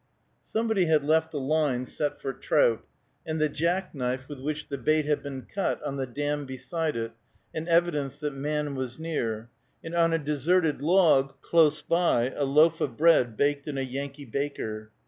Somebody had left a line set for trout, and the jack knife with which the bait had been cut on the dam beside it, an evidence that man was near, and on a deserted log close by a loaf of bread baked in a Yankee baker.